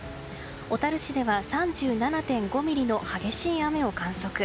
小樽市では３７．５ミリの激しい雨を観測。